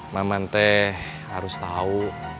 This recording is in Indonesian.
mamang teh harus tahu